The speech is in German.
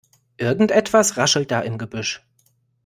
Irgendetwas raschelt da im Gebüsch.